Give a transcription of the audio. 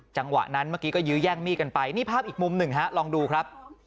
จังหวะนั้นเมื่อกี้ก็ยื้อแย่งมีดกันไปนี่ภาพอีกมุมหนึ่งฮะลองดูครับ